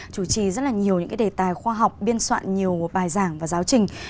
chủ trì rất là nhiều những cái đề tài khoa học biên soạn nhiều bài giảng và giáo trình